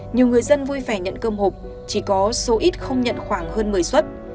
nhiều người dân vui vẻ nhận cơm hộp chỉ có số ít không nhận khoảng hơn một mươi xuất